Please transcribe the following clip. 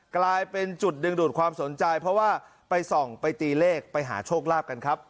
กลายเป็นจุดดึงดูดความสนใจเพราะว่าไปส่องไปตีเลขไปหาโชคลาภกันครับ